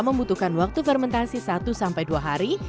membutuhkan waktu fermentasi satu sampai dua hari